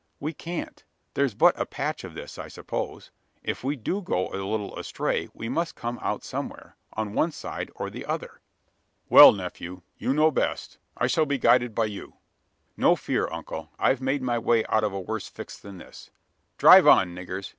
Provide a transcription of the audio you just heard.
"We can't. There's but a patch of this, I suppose? If we do go a little astray, we must come out somewhere on one side, or the other." "Well, nephew, you know best: I shall be guided by you." "No fear, uncle. I've made my way out of a worse fix than this. Drive on, niggers!